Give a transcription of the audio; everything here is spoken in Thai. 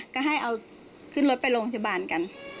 ก็ให้เอาขึ้นรถไปโรงพยาบาลกัน